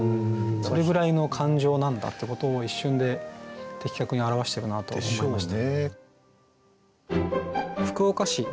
それぐらいの感情なんだってことを一瞬で的確に表してるなと思いました。